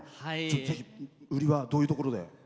売りはどういうところで？